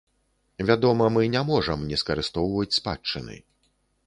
Вядома, мы не можам не скарыстоўваць спадчыны.